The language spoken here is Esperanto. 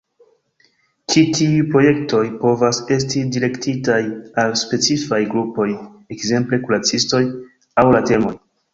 Ĉi tiuj projektoj povas esti direktitaj al specifaj grupoj (ekzemple kuracistoj) aŭ al temoj.